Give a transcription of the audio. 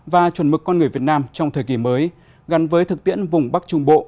và chuẩn mực con người việt nam trong thời kỳ mới gắn với thực tiễn vùng bắc trung bộ